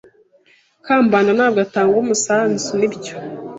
Kambanda ntabwo atanga umusanzu, nibyo?